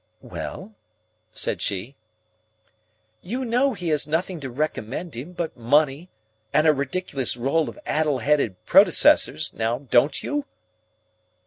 "Well?" said she. "You know he has nothing to recommend him but money and a ridiculous roll of addle headed predecessors; now, don't you?"